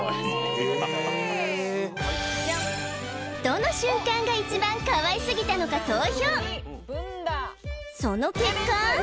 どの瞬間が一番かわいすぎたのか投票その結果